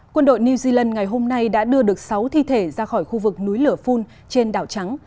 quân đội new zealand ngày hôm nay đã đưa được sáu thi thể ra khỏi khu vực núi lửa phun trên đảo trắng